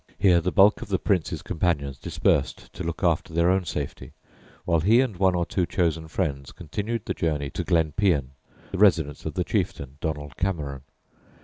Here the bulk of the Prince's companions dispersed to look after their own safety, while he and one or two chosen friends continued the journey to Glenpean, the residence of the chieftain Donald Cameron.